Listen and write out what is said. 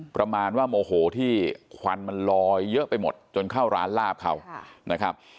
ประมาณว่าโมโหที่ควันมันลอยเยอะไปหมดจนเข้าร้านลาบเขานะครับ